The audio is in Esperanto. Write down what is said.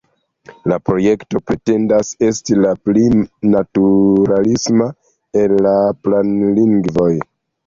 La projekto pretendas esti la pli naturalisma el la planlingvoj.